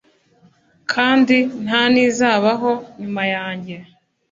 kandi nta n’izabaho nyuma yanjye.